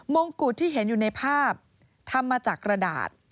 งกุฎที่เห็นอยู่ในภาพทำมาจากกระดาษ